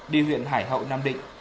đi huyện hải hậu nam định